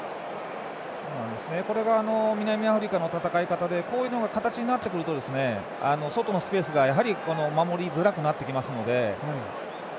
これが南アフリカの戦い方でこういうのが形になってくると外のスペースが守りづらくなってきますので。